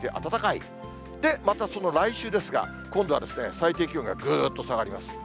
で、またその来週ですが、今度は最低気温がぐっと下がります。